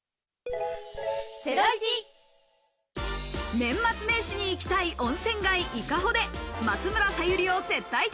年末年始に行きたい温泉街・伊香保で、松村沙友理を接待旅。